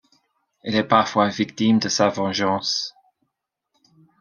Elle est parfois victime de sa vengeance.